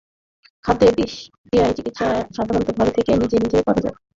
খাদ্যে বিষক্রিয়ার চিকিৎসা সাধারণত ঘরে থেকে নিজে নিজেই করা যায়।